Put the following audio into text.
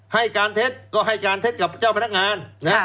ให้การเท็จก็ให้การเท็จกับเจ้าพนักงานนะฮะ